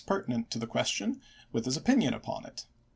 xvm pertinent to the question, with his opinion upon it.